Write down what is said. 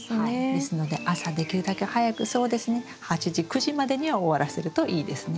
ですので朝できるだけ早くそうですね８時９時までには終わらせるといいですね。